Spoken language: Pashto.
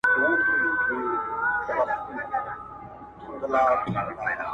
په نغمو په ترانو به یې زړه سوړ وو -